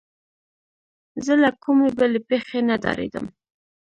زه له کومې بلې پېښې نه ډارېدم.